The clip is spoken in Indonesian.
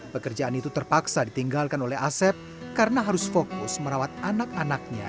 pekerjaan itu terpaksa ditinggalkan oleh asep karena harus fokus merawat anak anaknya